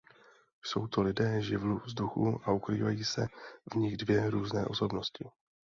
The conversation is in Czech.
Jsou to lidé živlu vzduchu a ukrývají se v nich dvě různé osobnosti.